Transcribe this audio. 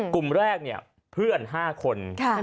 กลุ่มแรกเพื่อน๕คน